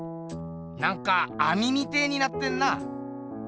なんかあみみてえになってんな。